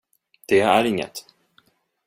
Det är inget.